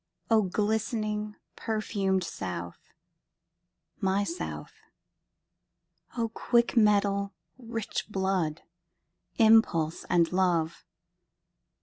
O glistening, perfumed South! My South!O quick mettle, rich blood, impulse, and love!